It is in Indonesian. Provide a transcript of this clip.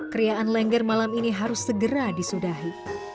kriaan lengger malam ini harus segera disudahi